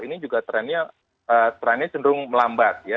ini juga trennya cenderung melambat ya